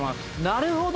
なるほど！